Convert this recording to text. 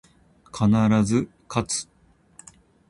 必ず、かつ